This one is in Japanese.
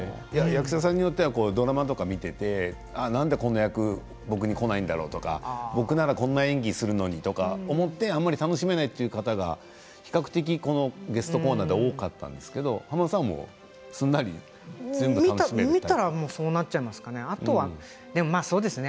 役者さんによってはドラマを見ていてなんでこの役僕にこないんだろうとか僕だったらこういう演技をするのにと思ってあまり楽しめないという方が比較的このゲストコーナーで多かったんですけれど濱田さんは素直に全部楽しめる？